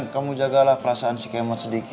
semua aja cemburu lagi sama mondi